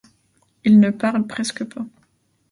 Il ne parle presque pas.